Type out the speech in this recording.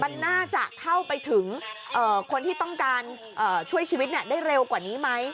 มันน่าจะเข้าไปถึงคนที่ต้องการช่วยชีวิตได้เร็วกว่านี้ไหม